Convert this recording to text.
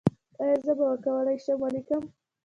ایا زه به وکولی شم ولیکم؟